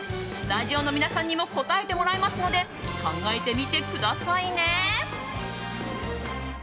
スタジオの皆さんにも答えてもらいますので考えてみてくださいね。